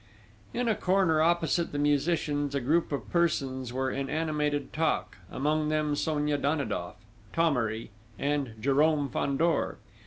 In a corner opposite the musicians a group of persons were in animated talk: among them Sonia Danidoff, Thomery, and Jérôme Fandor.